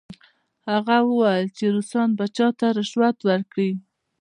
هغه وویل چې روسان به چا ته رشوت ورکړي؟